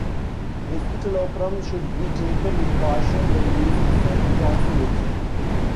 Escitalopram should be taken with caution when using Saint John's wort.